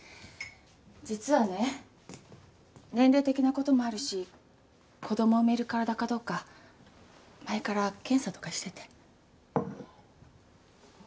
実はね年齢的なこともあるし子供産める体かどうか前から検査とかしてて。